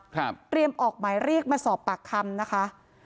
เตรียมออกหมายเรียกมาสอบปากคำนะคะ